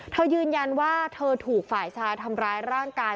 ยืนยันว่าเธอถูกฝ่ายชายทำร้ายร่างกาย